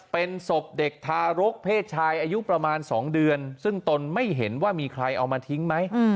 เป็นศพเด็กทารกเพศชายอายุประมาณ๒เดือนซึ่งตนไม่เห็นว่ามีใครเอามาทิ้งไหม